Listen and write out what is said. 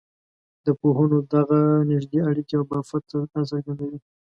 د پوهنو دغه نږدې اړیکي او بافت دا څرګندوي.